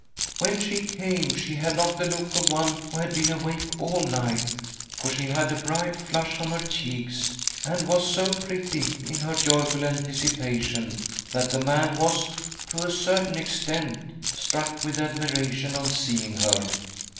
When she came, she had not the look of one who had been awake all night, for she had a bright flush on her cheeks, and was so pretty in her joyful anticipation that the man was, to a certain extent, struck with admiration on seeing her.